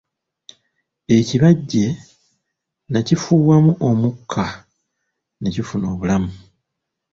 Ekibajje n'akifuuwamu omukka ne kifuna obulamu.